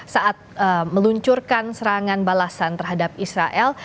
saat meluncurkan serangan balasan terhadap israel